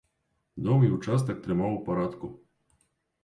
Дом і ўчастак трымаў у парадку.